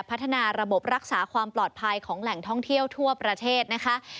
พัฒนาระบบรักษาความปลอดภัยของแหล่งท่องเที่ยวทั่วประเทศนะคะ